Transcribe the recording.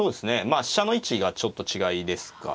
まあ飛車の位置がちょっと違いですかね。